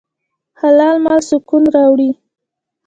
حلال مال سکون راوړي.